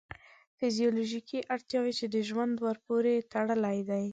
فیزیولوژیکې اړتیاوې چې ژوند ورپورې تړلی دی.